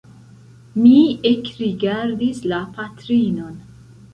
Mi ekrigardis la patrinon.